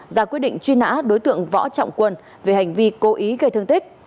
ra quyết định truy nã đối tượng võ trọng quân về hành vi cố ý gây thương tích